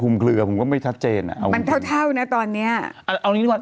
เคลือผมก็ไม่ชัดเจนอ่ะเอามันเท่าเท่านะตอนเนี้ยเอางี้ดีกว่า